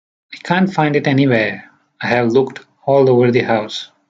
I can't find it anywhere; I have looked all over the house.